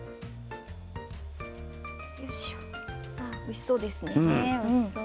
おいしそうですね。